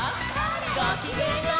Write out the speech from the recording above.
ごきげんよう！